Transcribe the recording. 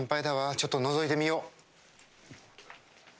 ちょっとのぞいてみよう。